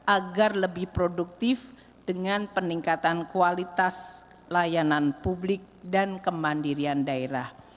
agar lebih produktif dengan peningkatan kualitas layanan publik dan kemandirian daerah